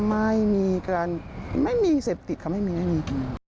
ไม่มีการไม่มีเสพติดค่ะไม่มีไม่มี